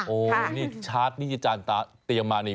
โอ้นี่ชัดนี่จานตาเตรียมมานี่